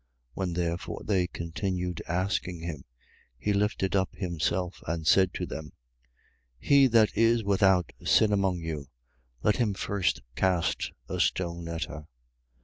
8:7. When therefore they continued asking him, he lifted up himself and said to them: He that is without sin among you, let him first cast a stone at her.